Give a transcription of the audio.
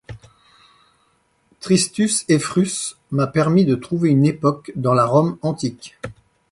Tristus Effrus m’a permis de trouver une époque dans la Rome antique.